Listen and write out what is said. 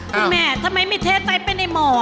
คุณแม่ทำไมไม่เทใจไปในหมอ